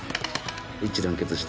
一致団結して。